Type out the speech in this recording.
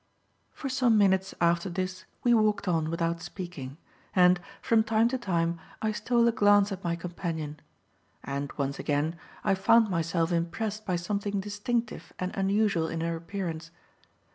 For some minutes after this we walked on without speaking, and, from time to time, I stole a glance at my companion. And, once again, I found myself impressed by something distinctive and unusual in her appearance.